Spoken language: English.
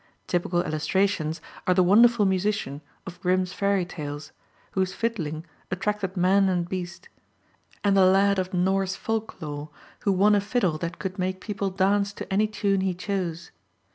Typical illustrations are the Wonderful Musician of Grimm's Fairy Tales, whose fiddling attracted man and beast, and the lad of Norse folk lore who won a fiddle that could make people dance to any tune he chose.